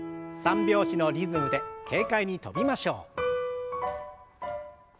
３拍子のリズムで軽快に跳びましょう。